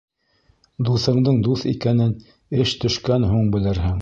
Дуҫыңдың дуҫ икәнен эш төшкән һуң белерһең.